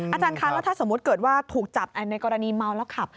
อาจารย์คะแล้วถ้าสมมุติเกิดว่าถูกจับในกรณีเมาแล้วขับ